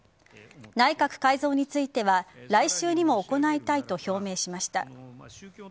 内閣改造については来週にも行いたいと表明しました。